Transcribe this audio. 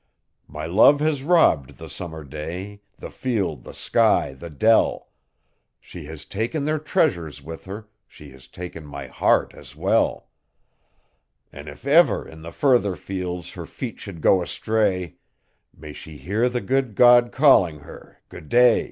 My love has robbed the summer day the field, the sky, the dell, She has taken their treasures with her, she has taken my heart as well; An' if ever, in the further fields, her feet should go astray May she hear the good God calling her Go'day!